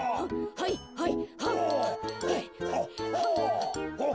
はいはい。